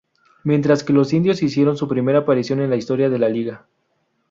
Mientras que los Indios hicieron su primera aparición en la historia de la liga.